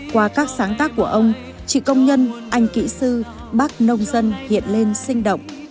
qua các sáng tác của ông chị công nhân anh kỹ sư bác nông dân hiện lên sinh động